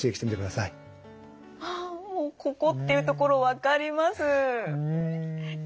ああもうここっていう所分かります。